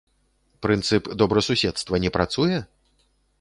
Прынцып добрасуседства не працуе?